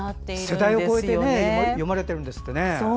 世代を越えて読まれているんですってね。